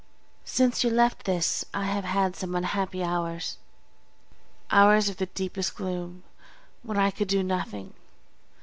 Since you left this I have had some unhappy hours, hours of the deepest gloom, when I could do nothing.